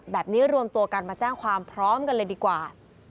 รวมตัวกันมาแจ้งความพร้อมกันเลยดีกว่า